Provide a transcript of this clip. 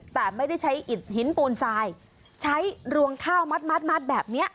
แต่ไม่ได้ใช้อิดหินปูนทรายใช้รวงข้าวมัดแบบนี้